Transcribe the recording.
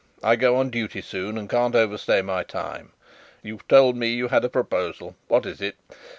I go on duty soon, and can't overstay my time. You told me you had a proposal; what is it?